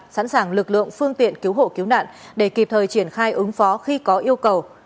sẵn sàng lực lượng phương tiện cứu hộ cứu nạn để kịp thời triển khai ứng phó khi có yêu cầu